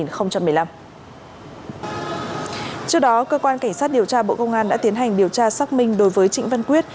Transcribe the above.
trước đó cơ quan cảnh sát điều tra bộ công an đã tiến hành điều tra xác minh đối với trịnh văn quyết